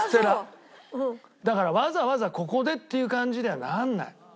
だからわざわざここでっていう感じにはならない。